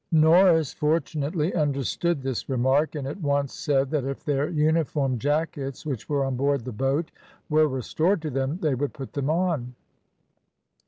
Norris fortunately understood this remark, and at once said that if their uniform jackets, which were on board the boat, were restored to them they would put them on.